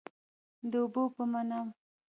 د اوبو په منابعو باندې نور پرمختګونه هم وشول.